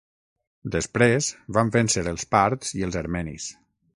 Després, van vèncer els parts i els armenis.